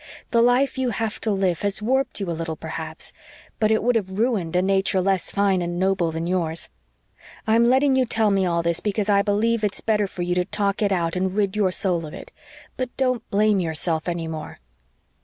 The life you have to live has warped you a little, perhaps but it would have ruined a nature less fine and noble than yours. I'm letting you tell me all this because I believe it's better for you to talk it out and rid your soul of it. But don't blame yourself any more."